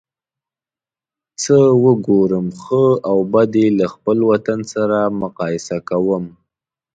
څه وګورم ښه او بد یې له خپل وطن سره مقایسه کوم.